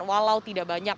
walau tidak banyak